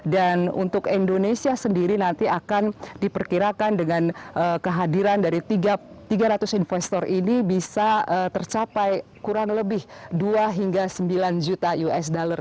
dan untuk indonesia sendiri nanti akan diperkirakan dengan kehadiran dari tiga ratus investor ini bisa tercapai kurang lebih dua hingga sembilan juta usd